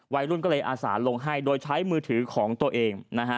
วัยรุ่นก็เลยอาสาลงให้โดยใช้มือถือของตัวเองนะฮะ